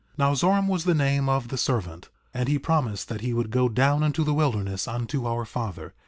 Now Zoram was the name of the servant; and he promised that he would go down into the wilderness unto our father.